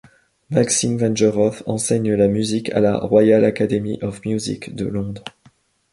Maxime Vengerov enseigne la musique à la Royal Academy of Music de Londres.